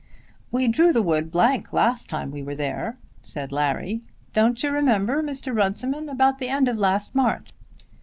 "We drew the wood blank last time we were there," said Larry. "Don't you remember, Mr. Runciman, about the end of last March?"